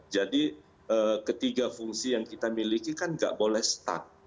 jadi ketiga fungsi yang kita miliki kan nggak boleh stuck